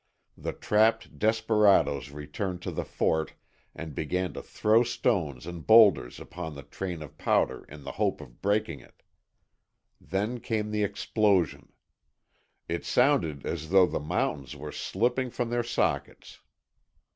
The trapped desperadoes returned to the "fort" and began to throw stones and bowlders upon the train of powder in the hope of breaking it. Then came the explosion. It sounded as though the mountains were slipping from their sockets.